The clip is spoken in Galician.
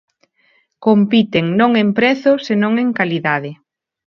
Compiten non en prezo, senón en calidade.